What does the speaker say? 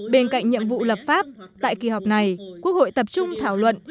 bên cạnh nhiệm vụ lập pháp tại kỳ họp này quốc hội tập trung thảo luận